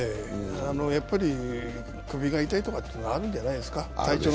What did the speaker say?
やっぱり首が痛いとかっていうのがあるんじゃないですか。